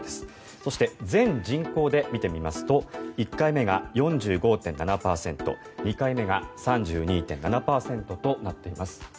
そして、全人口で見てみますと１回目が４５．７％２回目が３２．７％となっています。